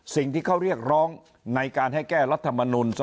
สิ่งที่เขาเรียกร้องในการให้แก้รัฐมนุน